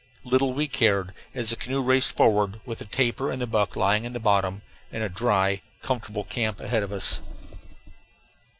Little we cared, as the canoe raced forward, with the tapir and the buck lying in the bottom, and a dry, comfortable camp ahead of us.